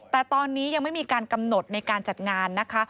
แต่ตอนนี้ยังไม่มีการกำหนดในการจัดงานนะคะ